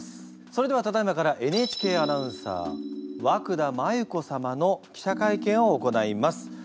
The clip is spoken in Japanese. それではただいまからＮＨＫアナウンサー和久田麻由子様の記者会見を行います。